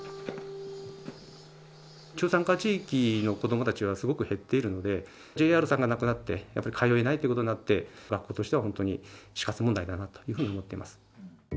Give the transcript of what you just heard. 中山間地域の子どもたちはすごく減っているので、ＪＲさんがなくなって、やっぱり通えないということになって、学校としては本当に死活問題だなというふうに思ってます。